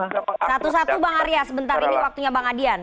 satu satu bang arya sebentar ini waktunya bang adian